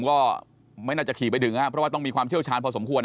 ก็ไม่น่าจะขี่ไปถึงครับเพราะว่าต้องมีความเชี่ยวชาญพอสมควร